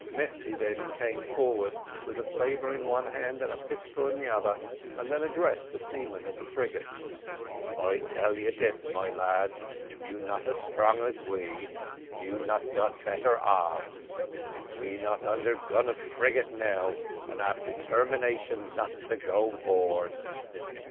Mesty then came forward, with a sabre in one hand and a pistol in the other, and thus addressed the seamen of the frigate: "I tell you dis, my lads you not so strong as we you not got better arms we not under gun of frigate now, and we ab determination not to go board.